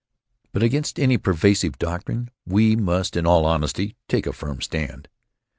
But against any perversive doctrine we must in all honesty take a firm stand.